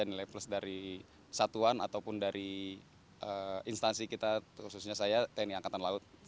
inilah plus dari satuan ataupun dari instansi kita khususnya saya tni angkatan laut